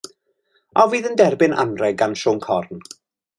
A fydd yn derbyn anrheg gan Siôn Corn?